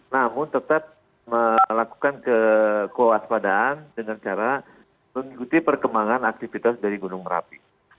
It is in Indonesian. namun tetap melakukan kewaspadaan dengan cara mengikuti perkembangan aktivitas dari gunung merapi